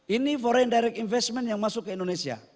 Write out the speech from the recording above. ini foreign direct investment yang masuk ke indonesia